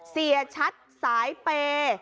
เสียชัตริย์สายเปรย์